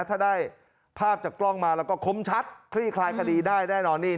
ถ้าได้ภาพจากกล้องมาแล้วก็คมชัดคลี่คลายคดีได้แน่นอนนี่